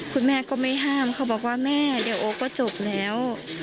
คุณแม่ก็ไม่ห้ามเขาบอกว่าแม่เดี๋ยวโอ๊ก็จบแล้ว